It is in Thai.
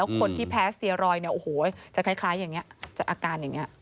แล้วคนที่แพ้สเตียรอยด์จะคล้ายอย่างนี้จะอาการอย่างนี้